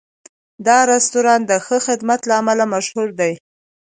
دا رستورانت د ښه خدمت له امله مشهور دی.